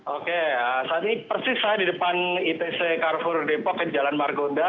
oke saat ini persis saya di depan itc carrefour depok ke jalan margonda